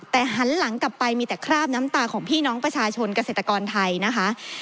แต่หันหลังกลับไปมีแต่คราบน้ำตาของพี่น้องประชาชนเกษตรกรไทยนะคะ